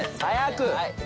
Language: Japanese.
早く！